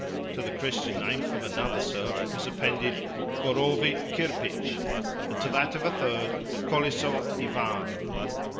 To the Christian name of another serf was appended "Korovi Kirpitch," and to that of a third "Koleso Ivan."